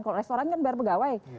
kalau restoran kan bayar pegawai